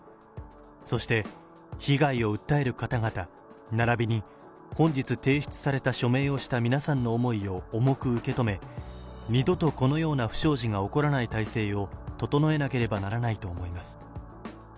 そして被害を訴える方々、ならびに本日提出された署名をした皆さんの思いを重く受け止め、二度とこのような不祥事が起こらない体制を整えなければならないと思います。